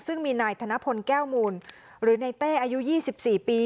ซึ่งมีนายธนพลแก้วมูลหรือในเต้อายุ๒๔ปี